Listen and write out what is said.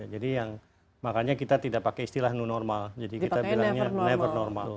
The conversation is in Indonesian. jadi yang makanya kita tidak pakai istilah new normal jadi kita bilangnya never normal